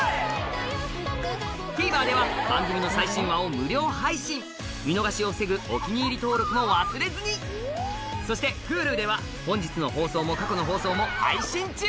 ＴＶｅｒでは番組の最新話を無料配信見逃しを防ぐ「お気に入り」登録も忘れずにそしてＨｕｌｕでは本日の放送も過去の放送も配信中